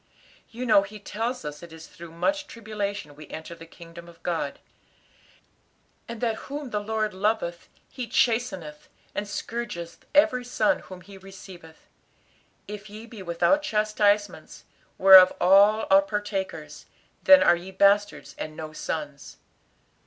You know He tells us it is through much tribulation we enter the kingdom of God; and that whom the Lord loveth He chasteneth, and scourgeth every son whom he receiveth. 'If ye be without chastisements, whereof all are partakers, then are ye bastards and no sons!"